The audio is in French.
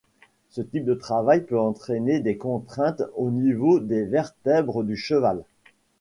Ce type de travail peut entraîner des contraintes au niveau des vertèbres du cheval.